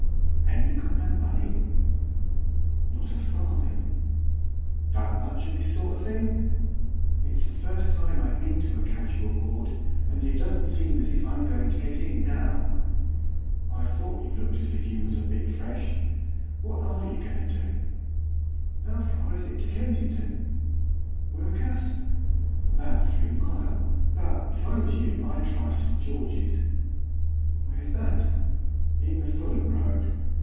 'Ain't you got no money?' 'Not a farthing.' 'Done much of this sort of thing?' 'It's the first time I've been to a casual ward, and it doesn't seem as if I'm going to get in now.' 'I thought you looked as if you was a bit fresh. What are yer goin' to do?' 'How far is it to Kensington?' 'Work'us? about three mile; but, if I was you, I'd try St George's.' 'Where's that?' 'In the Fulham Road.